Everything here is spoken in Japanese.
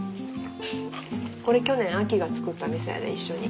これ去年あきが作ったみそやで一緒に。